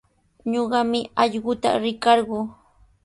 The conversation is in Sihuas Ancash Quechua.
Ñuqami allquta rikarquu.